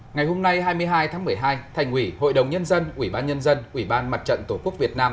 ngày hôm nay hai mươi hai tháng một mươi hai thành ủy hội đồng nhân dân ủy ban nhân dân ủy ban mặt trận tổ quốc việt nam